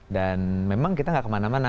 dan memang kita gak kemana mana